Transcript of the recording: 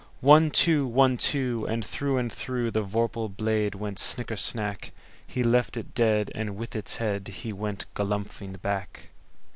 One, two! One, two! And through and throughThe vorpal blade went snicker snack! He left it dead, and with its headHe went galumphing back.